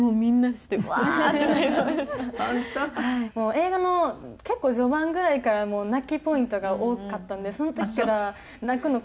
映画の結構序盤ぐらいから泣きポイントが多かったんでその時から泣くのをこらえてて。